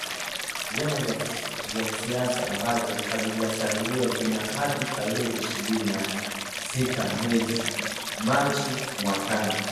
Vyama vya kisiasa ambavyo havijasajiliwa vina hadi tarehe ishirini na sita mwezi machi mwakani